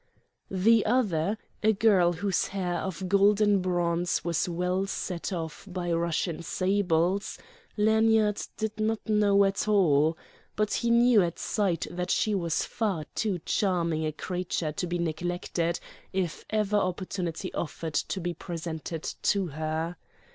The other, a girl whose hair of golden bronze was well set off by Russian sables, Lanyard did not know at all; but he knew at sight that she was far too charming a creature to be neglected if ever opportunity offered to be presented to her.